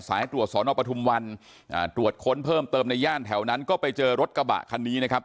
สายตรวจสอนอปทุมวันอ่าตรวจค้นเพิ่มเติมในย่านแถวนั้นก็ไปเจอรถกระบะคันนี้นะครับ